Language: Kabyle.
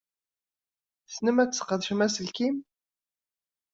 Tessnem ad tesqedcem aselkim?